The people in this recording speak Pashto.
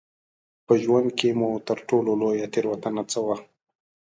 په ژوند کې مو تر ټولو لویه تېروتنه څه وه؟